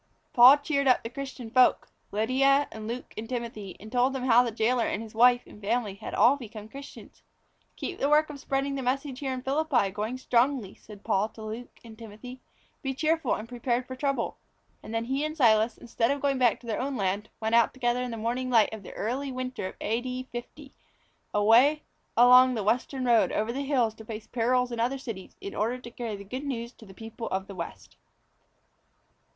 Paul cheered up the other Christian folk Lydia and Luke and Timothy and told them how the jailor and his wife and family had all become Christians. "Keep the work of spreading the message here in Philippi going strongly," said Paul to Luke and Timothy. "Be cheerfully prepared for trouble." And then he and Silas, instead of going back to their own land, went out together in the morning light of the early winter of A.D. 50, away along the Western road over the hills to face perils in other cities in order to carry the Good News to the people of the West.